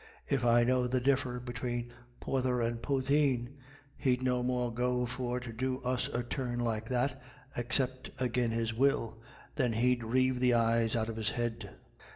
" If I know the differ between porther and potheen, he'd no more go for to do us a turn like that, except agin his will, than he'd reive the eyes out of his head.